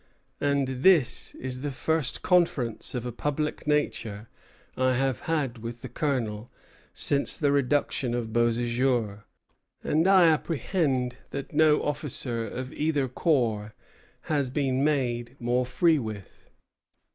And this is the first conference of a public nature I have had with the colonel since the reduction of Beauséjour; and I apprehend that no officer of either corps has been made more free with."